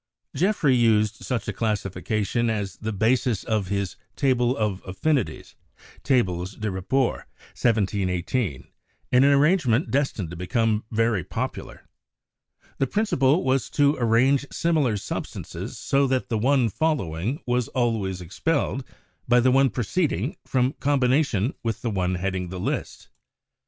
Geoffroy used such a classification as the basis of his tables of affinities, 'Tables des Rapports' (1718), an ar rangement destined to become very popular. The princi ple was to arrange similar substances so that the one fol lowing was always expelled by the one preceding from combination with the one heading the list.